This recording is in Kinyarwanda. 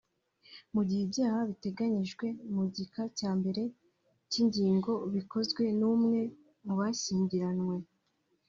Mu gihe ibyaha biteganyijwe mu gika cya mbere cy’iyi ngingo bikozwe n’umwe mu bashyingiranywe